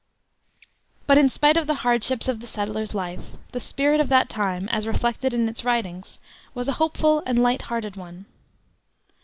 But in spite of the hardships of the settler's life, the spirit of that time, as reflected in its writings, was a hopeful and a light hearted one.